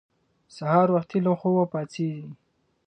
سهار وختي له خوبه پاڅېږئ.